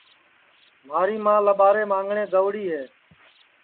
مھاری ماں لٻارے مانگٹؔیں گئوڑی ہے